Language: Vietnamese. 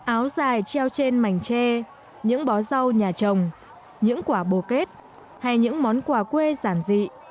áo dài treo trên mảnh tre những bó rau nhà trồng những quả bồ kết hay những món quà quê giản dị